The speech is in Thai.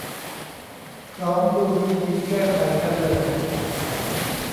พร้อมดูวิธีแก้ไขกันเลย